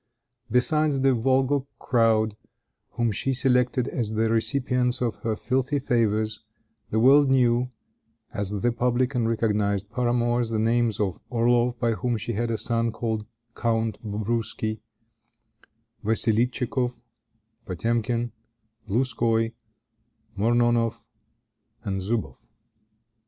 Besides the vulgar crowd whom she selected as the recipients of her filthy favors, the world knew, as the public and recognized paramours, the names of Orloff, by whom she had a son called Count Bobruski, Wassilitchikoff, Potemkin, Louskoi, Mornonoff, and Zuboff.